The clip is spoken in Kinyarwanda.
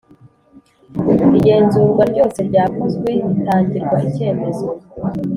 Igenzurwa ryose ryakozwe ritangirwa icyemezo